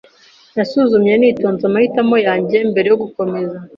Nasuzumye nitonze amahitamo yanjye mbere yo gukomeza.